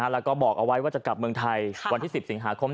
แล้วก็บอกเอาไว้ว่าจะกลับเมืองไทยวันที่๑๐สิงหาคม